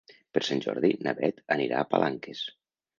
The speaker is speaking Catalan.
Per Sant Jordi na Beth anirà a Palanques.